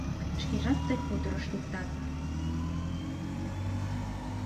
Шкежат тый хуторыш лектат.